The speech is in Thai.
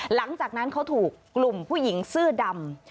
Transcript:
หลังจากนั้นเขาถูกกลุ่มผู้หญิงเสื้อดำ